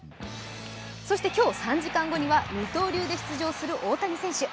そして今日、３時間後には二刀流で出場する大谷選手。